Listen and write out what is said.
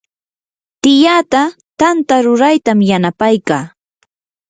tiyaata tanta ruraytam yanapaykaa.